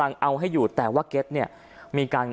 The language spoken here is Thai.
พระเจ้าอาวาสกันหน่อยนะครับ